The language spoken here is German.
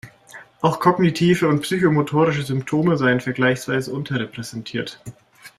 Auch kognitive und psychomotorische Symptome seien vergleichsweise unterrepräsentiert.